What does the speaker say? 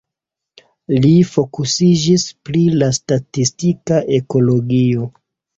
Li fokusiĝis pri la statistika ekologio.